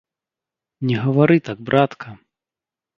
Не гавары так, братка!